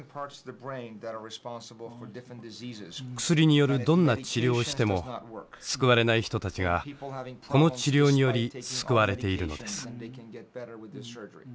薬によるどんな治療をしても救われない人たちがこの治療により救われているのです。